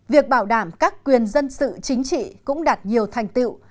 việc bảo đảm các quyền dân sự chính trị cũng đạt nhiều thành tiệu